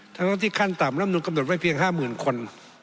ทั้งต้องที่ขั้นต่ำลำนูนกำหนดไว้เพียงห้าหมื่นคน